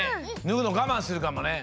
ぬぐのがまんするかもね。